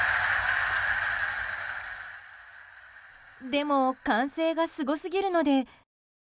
でも歓声がすごすぎるので。